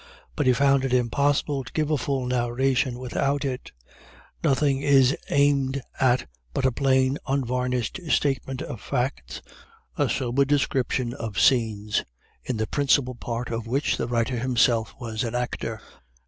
But he found it impossible to give a full narration without it. Nothing is aimed at but a plain unvarnished statement of facts, a sober description of scenes, in the principal part of which the writer himself was an actor.